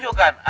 ya tuhan ya